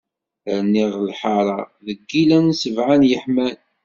Rniɣ lḥara, deg illan sebɛa n yeḥmam.